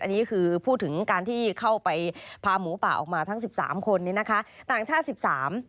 อันนี้คือพูดถึงการที่เข้าไปพาหมูป่าออกมาทั้งสิบสามคนนี้นะคะต่างชาติสิบสาม